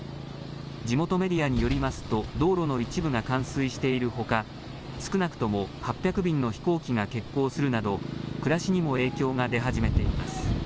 地元メディアによりますと道路の一部が冠水しているほか少なくとも８００便の飛行機が欠航するなど暮らしにも影響が出始めています。